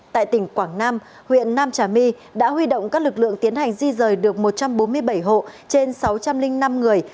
tại tỉnh quảng nam huyện nam trà my đã huy động các lực lượng tiến hành di rời được một trăm bốn mươi bảy hộ trên sáu trăm linh năm người